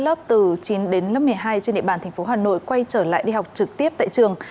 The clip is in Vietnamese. lớp từ chín đến lớp một mươi hai trên địa bàn tp hà nội quay trở lại đi học trực tiếp tại trường